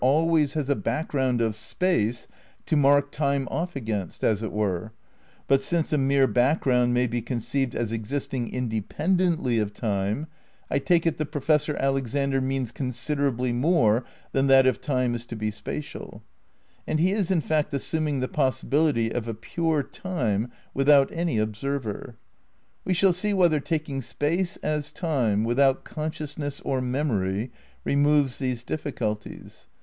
V THE CRITICAL PREPARATIONS 167 has a background of Space to mark Time off against, as it were ; but, since a mere background may be con ceived as existing independently of Time, I take it that Professor Alexander means considerably more than that if Time is to be spatial. And he is in fact assum ing the possibility of a pure Time without any observer. We shall see whether taking Space as Time without consciousness or memory removes these difficulties.